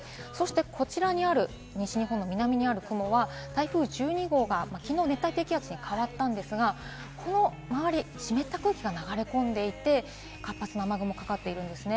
こちらにある、西日本南にある雲は台風１２号がきのう熱帯低気圧に変わったんですが、この周り、湿った空気が流れ込んでいて、活発な雨雲がかかってるんですね。